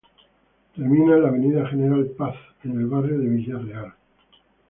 Termina en la Avenida General Paz, en el barrio de Villa Real.